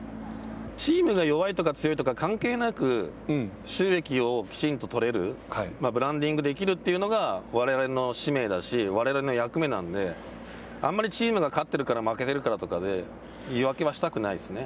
チームが弱いとか、強いとか関係なく、収益をきちんと取れる、ブランディングできるというのが、われわれの使命だし、われわれの役目なんで、あんまりチームが勝ってるから負けているからで言い訳はしたくないですね。